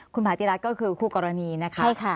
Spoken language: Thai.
คุณผาติรัฐก็คือคู่กรณีนะคะใช่ค่ะ